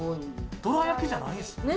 どら焼きじゃないんですね。